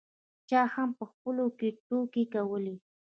چا هم په خپلو کې ټوکې کولې.